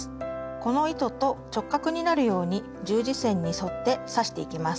この糸と直角になるように十字線に沿って刺していきます。